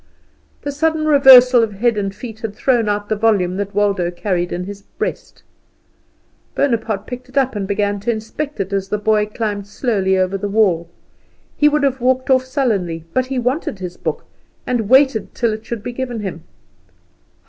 The sudden reversal of head and feet had thrown out the volume that Waldo carried in his breast. Bonaparte picked it up and began to inspect it, as the boy climbed slowly over the wall. He would have walked off sullenly, but he wanted his book, and he waited until it should be given him.